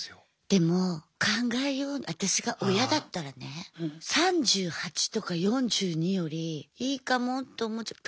でも考えよう私が親だったらね３８とか４２よりいいかもって思っちゃう。